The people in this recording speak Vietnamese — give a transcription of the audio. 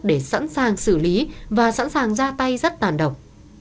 để sẵn sàng xử lý và sẵn sàng ra tay rất tàn đồng